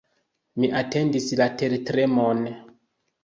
Mi atendis la tertremon.